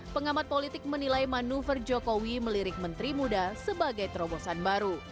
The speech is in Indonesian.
pengamat politik menilai manuver jokowi melirik menteri muda sebagai terobosan baru